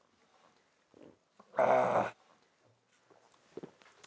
ああ。